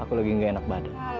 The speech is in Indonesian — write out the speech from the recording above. aku lagi nggak enak badut